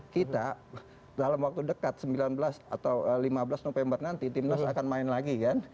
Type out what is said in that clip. kita dalam waktu dekat sembilan belas atau lima belas november nanti timnas akan main lagi kan